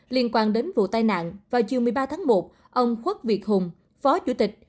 liên quan đến vụ tai nạn vào chiều một mươi ba tháng một ông khuất việt hùng phó chủ tịch